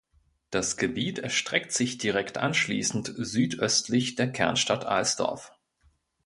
Das Gebiet erstreckt sich direkt anschließend südöstlich der Kernstadt Alsdorf.